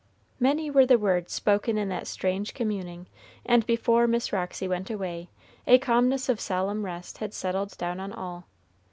Many were the words spoken in that strange communing; and before Miss Roxy went away, a calmness of solemn rest had settled down on all.